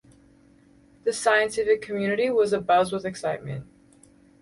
The scientific community was abuzz with excitement.